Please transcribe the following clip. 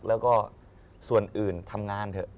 แล้วก็ส่วนอื่นทำงานเถอะ